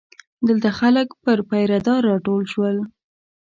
دلته خلک پر پیره دار راټول شول.